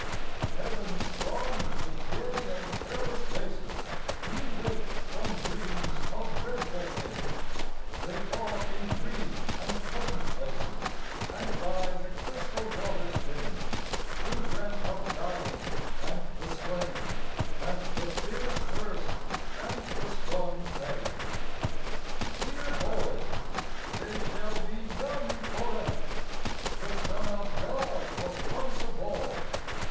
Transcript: Heaven's thronged with gay and careless faces, New waked from dreams of dreadful things, They walk in green and pleasant places And by the crystal water springs Who dreamt of dying and the slain, And the fierce thirst and the strong pain. Dear boys ! They shall be young for ever. The Son of God was once a boy.